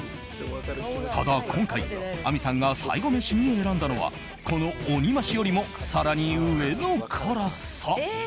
ただ今回、亜美さんが最後メシに選んだのはこの鬼増しよりも更に上の辛さ。